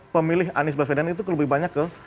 pemilih anies baswedan itu lebih banyak ke